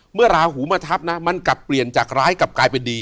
ราหูมาทับนะมันกลับเปลี่ยนจากร้ายกลับกลายเป็นดี